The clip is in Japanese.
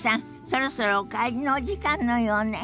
そろそろお帰りのお時間のようね。